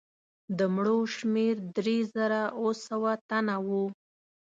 د مړو شمېر درې زره اووه سوه تنه وو.